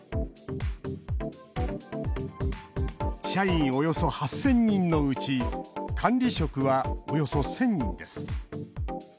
社員およそ８０００人のうち管理職は、およそ１０００人です。